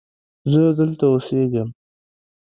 زه دلته اوسیږم.